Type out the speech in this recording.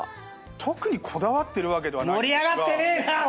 特にこだわってるわけではないんですが。